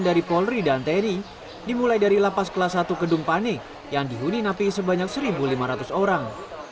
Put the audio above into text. dari polri dan tni dimulai dari lapas kelas satu kedumpane yang dihuni napi sebanyak satu lima ratus orang